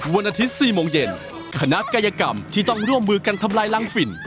วันอาทิตย์๔โมงเย็นคณะกายกรรมที่ต้องร่วมมือกันทำลายรังฝิ่น